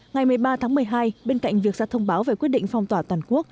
ngày một mươi ba tháng một mươi hai bên cạnh việc ra thông báo về quyết định phong tỏa toàn quốc